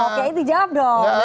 oke itu jawab dong